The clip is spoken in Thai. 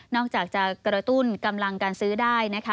อกจากจะกระตุ้นกำลังการซื้อได้นะคะ